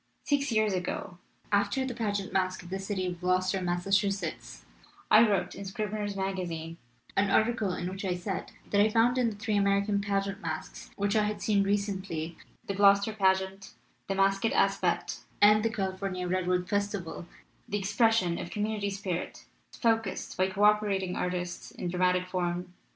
"Six years ago, after the pageant masque of the city of Gloucester, Massachusetts, I wrote, in Scribner's Magazine, an article in which I said that I found in the three American pageant masques which I had seen recently, the Gloucester Pageant, the Masque at Aspet, and the California Redwood Festival, the expression of community spirit focused by co operating artists in dramatic form.